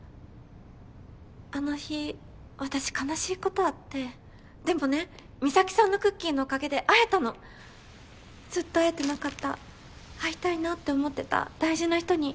あの日私悲しいことあってでもね美咲さんのクッキーのおかげで会えたのずっと会えてなかった会いたいなって思ってた大事な人に。